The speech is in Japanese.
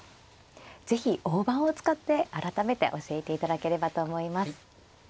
是非大盤を使って改めて教えていただければと思います。